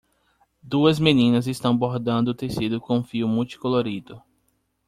Duas meninas estão bordando tecido com fio multicolorido.